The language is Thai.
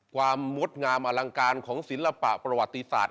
งดงามอลังการของศิลปะประวัติศาสตร์